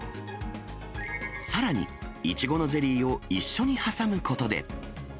さらに、いちごのゼリーを一緒に挟むことで。